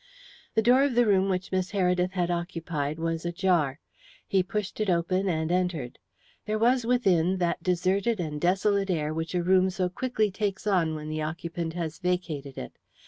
The door of the room which Miss Heredith had occupied was ajar. He pushed it open and entered. There was within that deserted and desolate air which a room so quickly takes on when the occupant has vacated it.